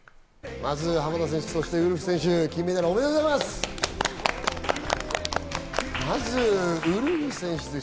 まず浜田選手、そしてウルフ選手、金メダルおめでとうございます。